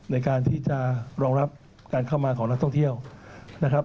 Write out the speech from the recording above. ในการที่จะรองรับการเข้ามาของนักท่องเที่ยวนะครับ